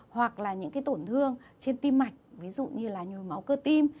hoặc là những cái tổn thương trên tim mạch ví dụ như là nhồi máu cơ tim